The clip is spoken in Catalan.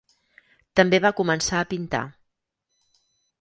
També va començar a pintar.